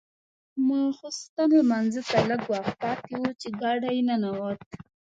ماخوستن لمانځه ته لږ وخت پاتې و چې ګاډی ننوت.